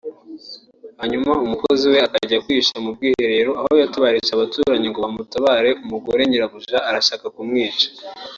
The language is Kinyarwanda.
hanyuma umukozi we akajya kwihisha mu bwiherero aho yatabarije abaturanyi ngo bamutabare umugore [Nyirabuja] arashaka kumwica